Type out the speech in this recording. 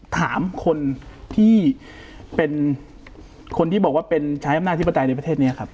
ตามคนที่บอกว่าเป็นชายอำนาจิตปฏิในประเทศนี้ครับ